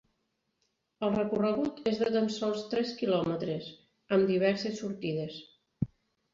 El recorregut és de tan sols tres kilòmetres, amb diverses sortides.